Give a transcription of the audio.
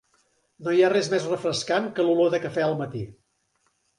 No hi ha res més refrescant que l'olor de cafè al matí.